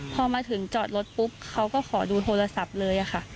พอมาถึงจอดรถปุ๊บเขาก็ขอดูโทรศัพท์เลยค่ะ